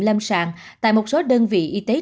lâm sàng tại một số đơn vị y tế trung tâm